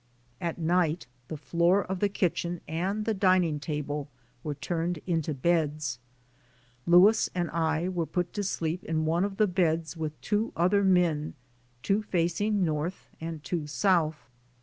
At night the floor of the kitchen and the dining table were turned into beds. Louis and I were put to sleep in one of the beds with two other men, two facing north and two south.